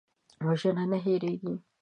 وژنه نه هېریږي